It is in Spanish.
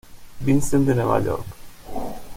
Vincent de Nueva York.